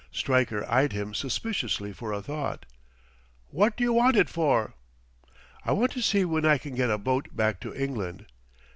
Stryker eyed him suspiciously for a thought. "Wot d'you want it for?" "I want to see when I can get a boat back to England."